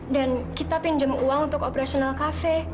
dan kita pinjem uang untuk operasional cafe